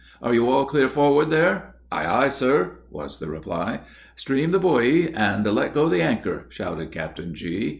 "Are you all clear forward there?" "Ay, ay, sir!" was the reply. "Stream the buoy, and let go the anchor!" shouted Captain G.